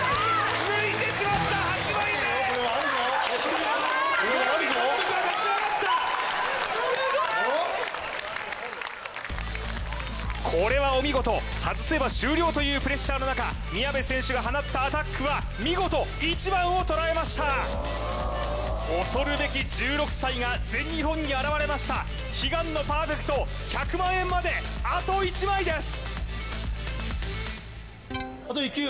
抜いてしまった８枚目これはお見事外せば終了というプレッシャーの中宮部選手が放ったアタックは見事１番を捉えました恐るべき１６歳が全日本に現れました悲願のパーフェクト１００万円まであと１枚です！